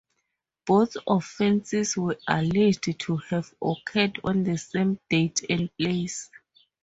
Both offences were alleged to have occurred on the same date and place.